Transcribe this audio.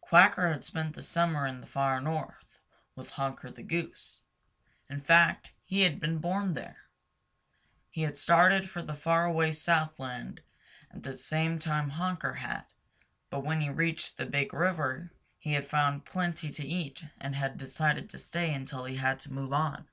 Quacker had spent the summer in the Far North with Honker the Goose. In fact, he had been born there. He had started for the far away Southland at the same time Honker had, but when he reached the Big River he had found plenty to eat and had decided to stay until he had to move on.